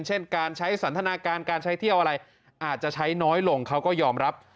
เช่นการใช้สันทนาการการใช้เที่ยวอะไรอาจจะใช้น้อยลงเขาก็ยอมรับ